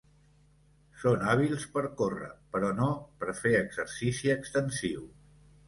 Són hàbils per córrer, però no per fer exercici extensiu.